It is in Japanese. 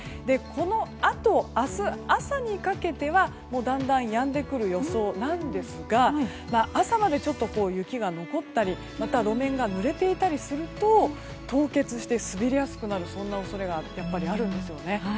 このあと、明日朝にかけてはだんだんやんでくる予想なんですが朝まで雪が残ったりまた、路面がぬれていたりすると凍結して滑りやすくなる恐れがあるんですよね。